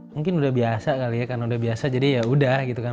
mungkin udah biasa kali ya karena udah biasa jadi yaudah gitu kan